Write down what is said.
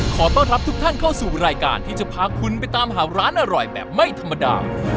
ขอต้อนรับทุกท่านเข้าสู่รายการที่จะพาคุณไปตามหาร้านอร่อยแบบไม่ธรรมดา